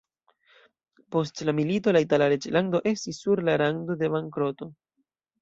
Post la milito la itala reĝlando estis sur la rando de bankroto.